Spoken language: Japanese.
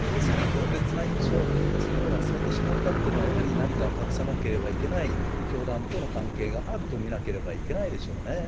強烈な印象、それを忘れてしまったというのは、やはり何か隠さなければいけない教団との関係があると見なければいけないでしょうね。